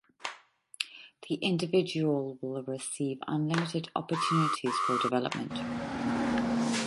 The individual will receive unlimited opportunities for development.